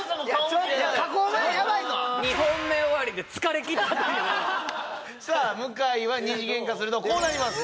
加工前ヤバいぞさあ向井は２次元化するとこうなります